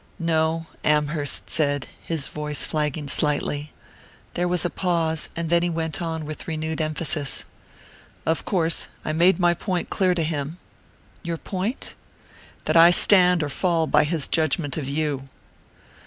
"No," Amherst said, his voice flagging slightly. There was a pause, and then he went on with renewed emphasis: "Of course I made my point clear to him." "Your point?" "That I stand or fall by his judgment of you."